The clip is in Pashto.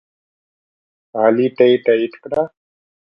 علي ته یې تایید کړه.